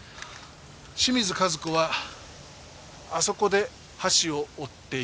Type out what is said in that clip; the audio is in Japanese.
清水和子はあそこで箸を折っていた。